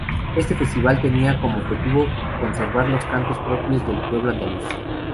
Este festival tenía como objetivo conservar los cantos propios del pueblo andaluz.